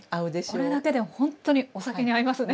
これだけでほんとにお酒に合いますね。